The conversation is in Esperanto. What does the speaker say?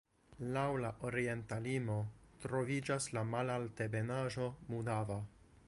Laŭ la orienta limo troviĝas la malaltebenaĵo Mudava.